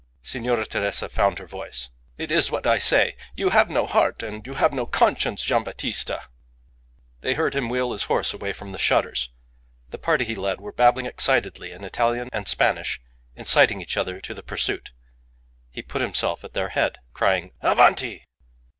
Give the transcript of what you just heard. Signora Teresa found her voice. "It is what I say. You have no heart and you have no conscience, Gian' Battista " They heard him wheel his horse away from the shutters. The party he led were babbling excitedly in Italian and Spanish, inciting each other to the pursuit. He put himself at their head, crying, "Avanti!"